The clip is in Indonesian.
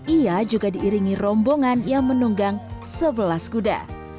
ia juga diiringi rombongan yang menunggang sebelas kuda